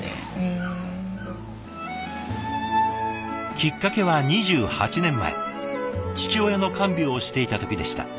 きっかけは２８年前父親の看病をしていた時でした。